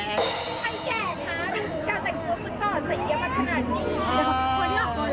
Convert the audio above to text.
ใครแก่คะมีการใจมือสุดตอดใสเยียบมาขนาดนี้